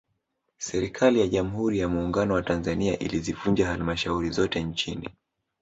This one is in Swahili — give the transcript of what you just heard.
Serikali ya Jamhuri ya Muungano wa Tanzania ilizivunja Halmashauri zote nchini